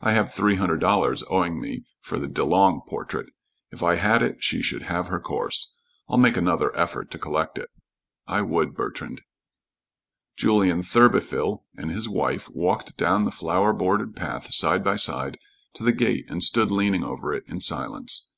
I have three hundred dollars owing me for the Delong portrait. If I had it, she should have her course. I'll make another effort to collect it." "I would, Bertrand." Julien Thurbyfil and his wife walked down the flower bordered path side by side to the gate and stood leaning over it in silence.